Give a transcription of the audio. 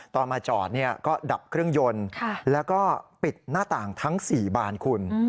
ตอนมาจอดก็ดับเครื่องยนต์แล้วก็ปิดหน้าต่างทั้ง๔บานคุณ